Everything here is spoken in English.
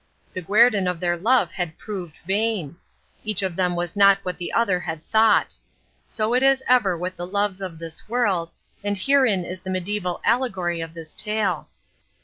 The guerdon of their love had proved vain. Each of them was not what the other had thought. So it is ever with the loves of this world, and herein is the medieval allegory of this tale.